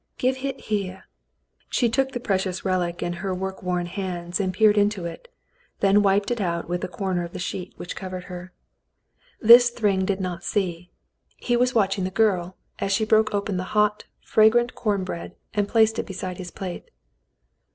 Give hit here." She took the precious relic in her work worn hands and peered into it, then wiped it out with the corner of the sheet which covered her. 16 The Mountain Girl This ThrjTig did not see. He was watching the girl, as she broke open the hot, fragrant corn bread and placed it beside his plate.